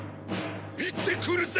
行ってくるぜ！